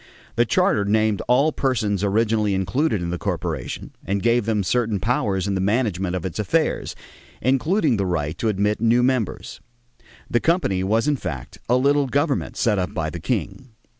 The charter named all the persons originally included in the corporation and gave them certain powers in the management of its affairs, including the right to admit new members. The company was in fact a little government set up by the king.